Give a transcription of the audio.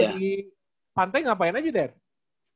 kalau di pantai ngapain aja daryl